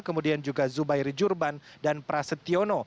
kemudian juga zubairi jurban dan prasetyono